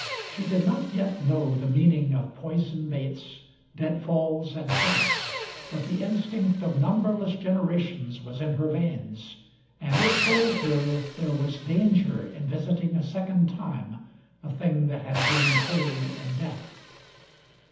She did not yet know the meaning of poison baits, deadfalls and traps, but the instinct of numberless generations was in her veins, and it told her there was danger in visiting a second time a thing that had grown cold in death.